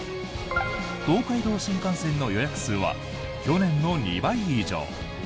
東海道新幹線の予約数は去年の２倍以上。